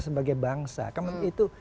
sebagai bangsa itu